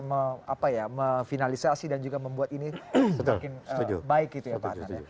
memfinalisasi dan juga membuat ini semakin baik